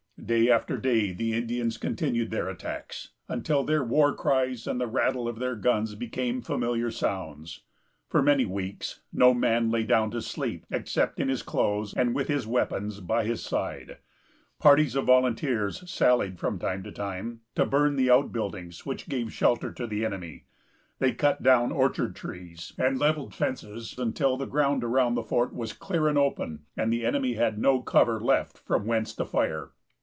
Day after day the Indians continued their attacks, until their war cries and the rattle of their guns became familiar sounds. For many weeks, no man lay down to sleep, except in his clothes, and with his weapons by his side. Parties of volunteers sallied, from time to time, to burn the outbuildings which gave shelter to the enemy. They cut down orchard trees, and levelled fences, until the ground about the fort was clear and open, and the enemy had no cover left from whence to fire.